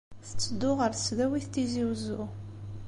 Tetteddu ɣer Tesdawit n Tizi Wezzu.